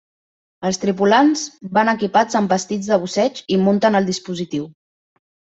Els tripulants van equipats amb vestits de busseig i munten el dispositiu.